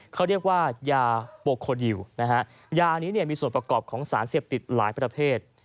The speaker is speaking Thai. เขาเรียกว่ายาโบโคดิวนะฮะยานี้มีส่วนประกอบของสารเสพติดหลายประเภท